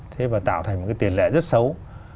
thế và tạo thành một cái tiền lệ rất xấu